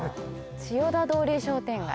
千代田通り商店街。